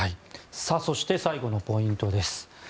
そして最後のポイント。